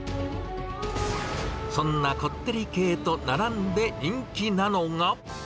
そんなこってり系と並んで人気なのが。